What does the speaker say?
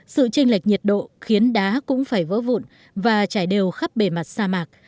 sự tranh lệch nhiệt độ khiến đá cũng phải vỡ vụn và trải đều khắp bề mặt sa mạc